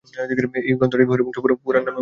এই গ্রন্থটি হরিবংশ পুরাণ নামেও পরিচিত।